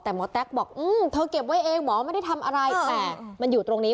แต่หมอแต๊กบอกอืมเธอเก็บไว้เองหมอไม่ได้ทำอะไรแต่มันอยู่ตรงนี้